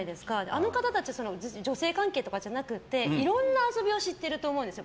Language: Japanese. あの方たち女性関係とかじゃなくていろんな遊びを知ってると思うんですよ。